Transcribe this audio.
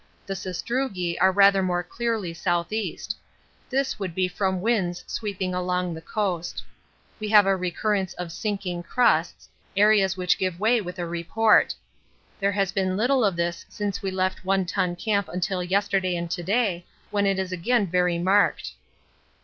The sastrugi are rather more clearly S.E.; this would be from winds sweeping along the coast. We have a recurrence of 'sinking crusts' areas which give way with a report. There has been little of this since we left One Ton Camp until yesterday and to day, when it is again very marked.